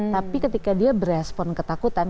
tapi ketika dia berespon ketakutan